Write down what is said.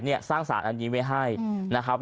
และชาวบ้านเขาก็ไปเห็นเลขกันต่างนานา